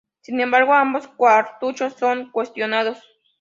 Sin embargo, ambos cartuchos son cuestionados.